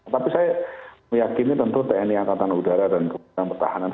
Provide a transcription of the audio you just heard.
tapi saya meyakini tentu tni angkatan udara dan keputusan pertahanan